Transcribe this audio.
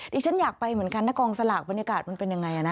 ฉันอยากไปเหมือนกันนะกองสลากบรรยากาศมันเป็นยังไงนะ